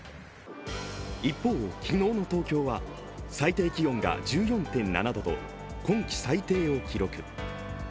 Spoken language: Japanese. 一方、昨日の東京は最低気温が１４．７度と今季最低を記録。